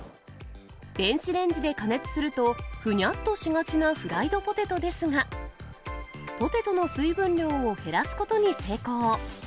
電子レンジで加熱するとふにゃっとしがちなフライドポテトですが、ポテトの水分量を減らすことに成功。